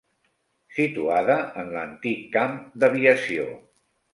Situada en l'antic camp d'aviació.